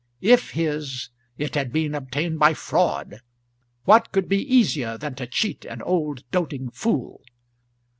If his, it had been obtained by fraud. What could be easier than to cheat an old doting fool?